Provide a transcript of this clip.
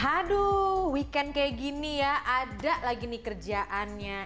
aduh weekend kayak gini ya ada lagi nih kerjaannya